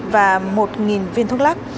và một viên thuốc lắc